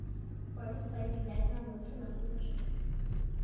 Towards this place Inez now moved her languid feet.